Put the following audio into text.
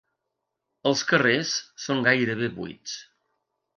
Els carrers són gairebé buits.